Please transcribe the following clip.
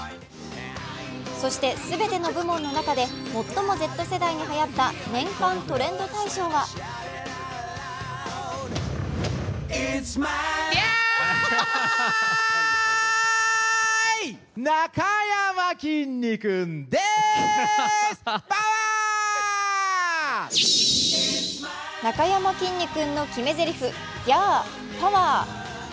そして、すべての部門の中で最もＺ世代にはやった年間トレンド大賞はなかやまきんに君の決めぜりふ、ヤー！、パワー！